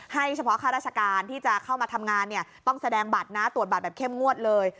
เฉพาะข้าราชการที่จะเข้ามาทำงานเนี่ยต้องแสดงบัตรนะตรวจบัตรแบบเข้มงวดเลย